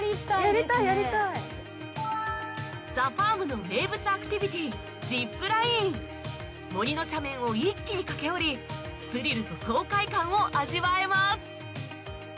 ＴＨＥＦＡＲＭ の名物アクティビティジップライン森の斜面を一気に駆け下りスリルと爽快感を味わえます